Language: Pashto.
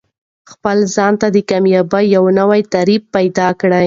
خپل ځان ته د کامیابۍ یو نوی تعریف پیدا کړه.